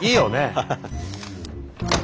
ハハハ。